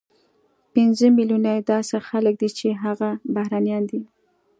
پنځه ملیونه یې داسې خلک دي چې هغه بهرنیان دي،